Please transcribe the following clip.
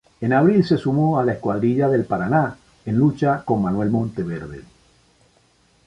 En abril se sumó a la escuadrilla del Paraná en lucha con Manuel Monteverde.